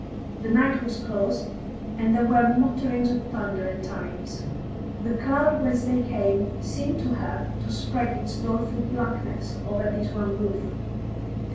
The night was close, and there were mutterings of thunder at times; the cloud whence they came seemed to her to spread its doleful blackness over this one roof.